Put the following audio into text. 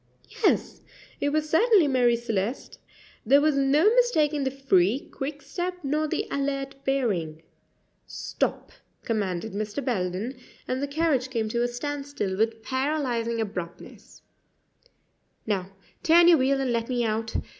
Yes, it was certainly Marie Celeste. There was no mistaking the free, quick step nor the alert bearing. "Stop!" commanded Mr. Belden, and the carriage came to a standstill with paralyzing abruptness "Now, turn your wheel and let me out.